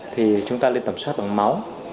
thì chúng ta nên tầm soát bằng máu